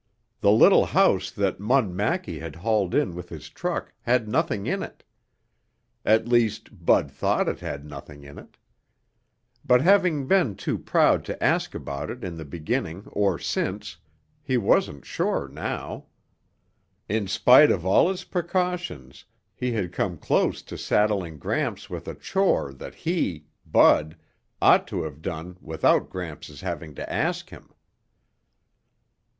The little house that Munn Mackie had hauled in with his truck had nothing in it. At least Bud thought it had nothing in it. But having been too proud to ask about it in the beginning or since, he wasn't sure now. In spite of all his precautions, he had come close to saddling Gramps with a chore that he, Bud, ought to have done without Gramps' having to ask him.